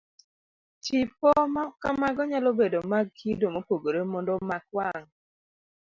Tipo ma kamago nyalobedo mag kido mopogore mondo omak wang'.